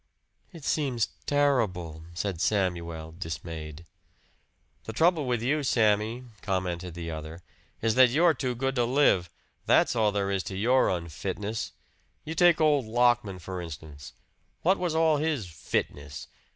"It seems terrible," said Samuel dismayed. "The trouble with you, Sammy," commented the other, "is that you're too good to live. That's all there is to your unfitness. You take old Lockman, for instance. What was all his 'fitness'?